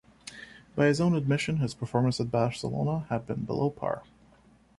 By his own admission, his performance at Barcelona had been below-par.